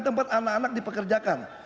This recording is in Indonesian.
tempat anak anak dipekerjakan